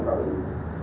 để xác nhận công tác